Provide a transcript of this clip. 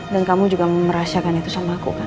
dan kamu juga merasakan itu sama aku kan